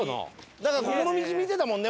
ここの道見てたもんね